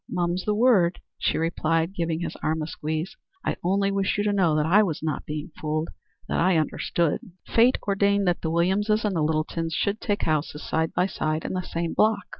"Mum's the word," she replied, giving his arm a squeeze. "I only wished you to know that I was not being fooled; that I understood." Fate ordained that the Williamses and the Littletons should take houses side by side in the same block.